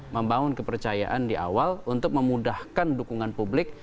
membangun kepercayaan di awal untuk memudahkan dukungan publik